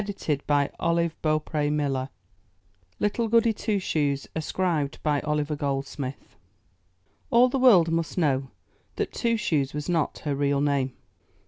132 UP ONE PAIR OF STAIRS LITTLE GOODY TWO SHOES Ascribed to Oliver Goldsmith All the world must know that Two Shoes was not her real name.